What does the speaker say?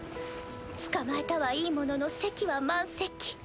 捕まえたはいいものの席は満席。